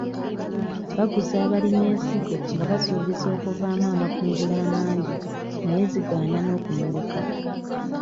Baguza abalimi ensigo nga basuubiza okuvaamu amakungula amangi naye zigaana n'okumeruka.